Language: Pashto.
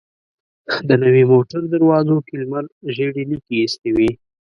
د نوې موټر دروازو کې لمر ژېړې ليکې ايستې وې.